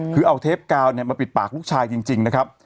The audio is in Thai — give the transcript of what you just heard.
คือเอาเทปกาวมาปิดปากลูกชายจริงนะครับ